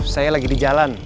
saya lagi di jalan